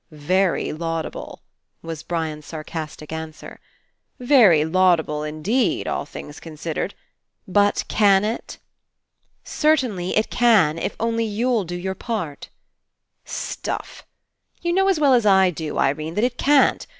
"Very laudable," was Brian's sarcastic answer. "Very laudable indeed, all things con sidered. But can it?" "Certainly It can. If you'll only do your part." "Stuff ! You know as well as I do, Irene, that It can't.